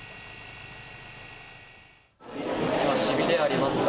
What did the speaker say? しびれ、ありますか。